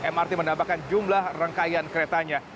mrt menambahkan jumlah rangkaian keretanya